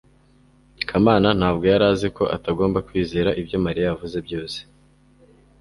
kamana ntabwo yari azi ko atagomba kwizera ibyo mariya yavuze byose